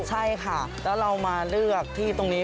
ใช่ค่ะแล้วเรามาเลือกที่ตรงนี้